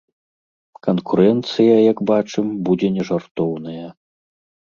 Канкурэнцыя, як бачым, будзе не жартоўная.